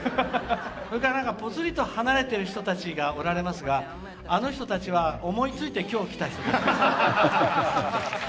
それから何かぽつりと離れてる人たちがおられますがあの人たちは思いついて今日来た人たち。